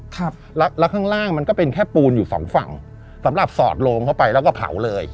ครับแล้วข้างล่างมันก็เป็นแค่ปูนอยู่สองฝั่งสำหรับสอดโลงเข้าไปแล้วก็เผาเลย